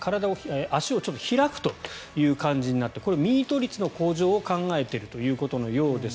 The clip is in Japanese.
足を開くという感じになってこれ、ミート率の向上を考えているということのようです。